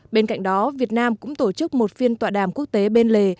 bên cạnh đó việt nam cũng tổ chức một phiên tọa đàm quốc tế bên lề